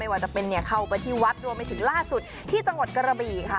ว่าจะเป็นเนี่ยเข้าไปที่วัดรวมไปถึงล่าสุดที่จังหวัดกระบี่ค่ะ